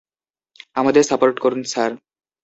আমাদের সাপোর্ট করুন, স্যার।